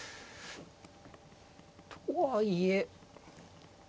とはいえ。